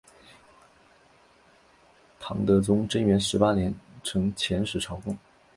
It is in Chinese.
唐德宗贞元十八年曾遣使朝贡。